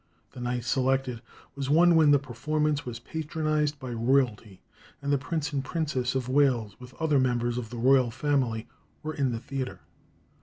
"[323:1] The night selected was one when the performance was patronized by royalty, and the Prince and Princess of Wales, with other members of the royal family, were in the theatre.